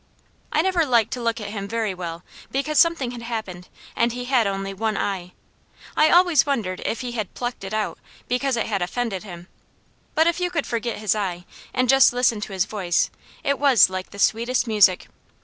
I never liked to look at him very well because something had happened, and he had only one eye. I always wondered if he had "plucked it out" because it had "offended" him; but if you could forget his eye, and just listen to his voice, it was like the sweetest music.